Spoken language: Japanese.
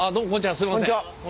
すいません。